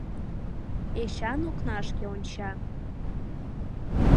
Эчан окнашке онча.